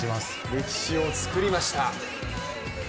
歴史を作りました。